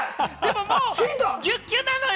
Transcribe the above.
もうギュウギュウなのよ！